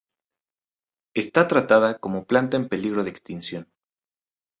Está tratada como planta en peligro de extinción.